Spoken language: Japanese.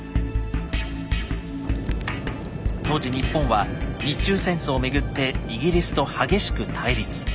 当時日本は日中戦争をめぐってイギリスと激しく対立。